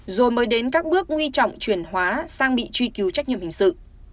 rồi mới đến các bước nguy trọng chuyển hóa sang bị truy cứu trách nhiệm hình sự